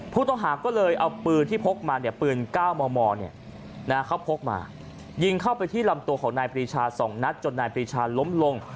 ผู้ต้องหาก็เลยเอาปืนที่พกมาเนี่ยปืน๙มมเขาพกมายิงเข้าไปที่ลำตัวของนายปรีชา๒นัดจนนายปรีชาล้มลง